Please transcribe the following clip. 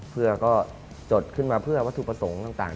เพื่อก็จดขึ้นมาเพื่อวัตถุประสงค์ต่าง